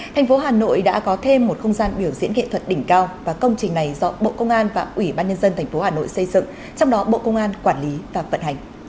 thành phố hà nội đã có thêm một không gian biểu diễn nghệ thuật đỉnh cao và công trình này do bộ công an và ủy ban nhân dân tp hà nội xây dựng trong đó bộ công an quản lý và vận hành